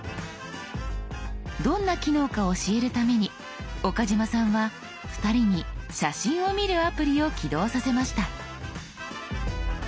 どんな機能か教えるために岡嶋さんは２人に写真を見るアプリを起動させました。